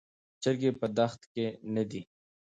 چرګې په دښت کې نه دي.